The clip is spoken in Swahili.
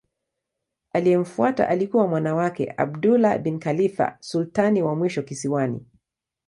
Aliyemfuata alikuwa mwana wake Abdullah bin Khalifa sultani wa mwisho kisiwani.